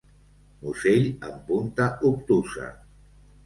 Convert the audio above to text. Musell amb punta obtusa.